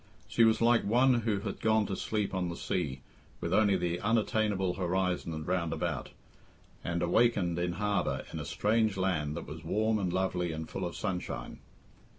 She was like one who had gone to sleep on the sea, with only the unattainable horizon round about, and awakened in harbour in a strange land that was warm and lovely and full of sunshine.